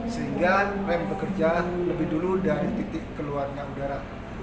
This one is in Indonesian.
sehingga rem pekerjaan lebih dulu dari titik keluarnya udara